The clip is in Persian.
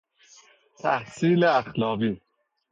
تحصیل اخلاقی